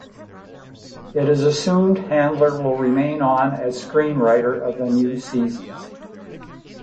It is assumed Handler will remain on as screenwriter of the new seasons.